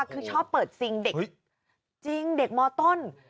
คือชอบเปิดซิงเด็กจริงเด็กมต้น